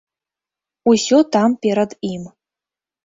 Усё там перад ім.